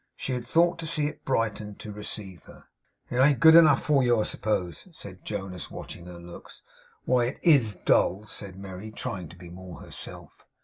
She had thought to see it brightened to receive her. 'It ain't good enough for you, I suppose?' said Jonas, watching her looks. 'Why, it IS dull,' said Merry, trying to be more herself.